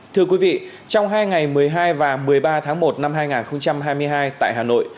thưa quý vị trong hai ngày một mươi hai và một mươi ba tháng một năm hai nghìn hai mươi hai tại hà nội